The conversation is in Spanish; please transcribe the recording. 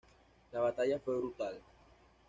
La batalla fue brutal.